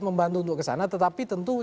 membantu untuk kesana tetapi tentu